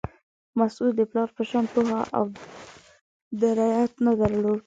مسعود د پلار په شان پوهه او درایت نه درلود.